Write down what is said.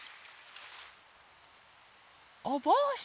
おぼうし！